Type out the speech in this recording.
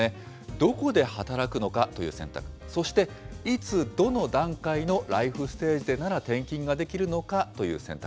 どこで働くのかという選択、そして、いつどの段階のライフステージでなら転勤ができるのかという選択。